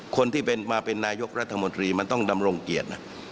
คนที่มาเป็นนายกรัฐมนตรีมันต้องดำรงเกียรตินะ